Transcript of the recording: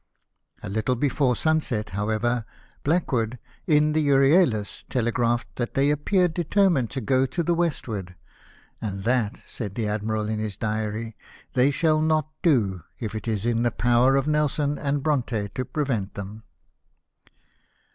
A little before sunset, however, Blackwood, in the Euryalas, tele graphed that they appeared determined to go to the Avestward, " and that," said the Admiral in his diary. /JV SIGHT or THE COMBINED FLEETS. 305 " they shall not do, if it is in the power of Nelson and Bronte to prevent them."